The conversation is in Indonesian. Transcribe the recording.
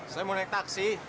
saya mau naik taksi